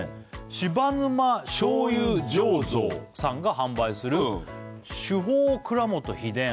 柴沼醤油醸造さんが販売する紫峰蔵元秘伝